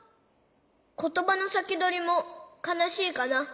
ことばのさきどりもかなしいかな。